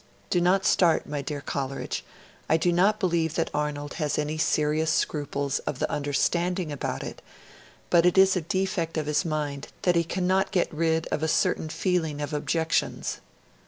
Do not start, my dear Coleridge; I do not believe that Arnold has any serious scruples of the UNDERSTANDING about it, but it is a defect of his mind that he cannot get rid of a certain feeling of objections.'